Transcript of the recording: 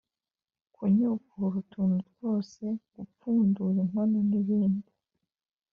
kunyukura utuntu twose, gupfundura inkono n'ibindi.